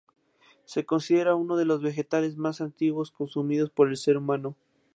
Se considera uno de los vegetales más antiguos consumidos por el ser humano.